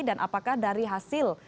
dan apakah dari hasil